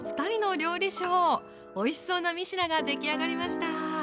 おいしそうな３品が出来上がりました。